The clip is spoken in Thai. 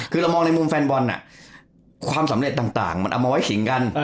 คือเรามองในมุมแฟนบอลความสำเร็จต่างมันเอามาไว้ขิงกัน